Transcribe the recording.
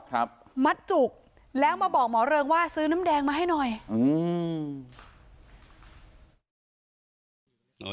ครับมัดจุกแล้วมาบอกหมอเริงว่าซื้อน้ำแดงมาให้หน่อยอืม